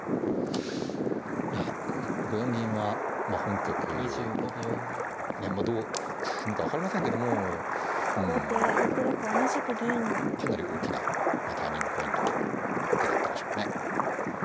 いや５四銀はまあ本局どう進むか分かりませんけどもうんかなり大きなターニングポイントの手だったでしょうね。